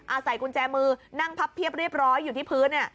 ใส่กุญแจมือนั่งพับเพียบเรียบร้อยอยู่ที่พื้น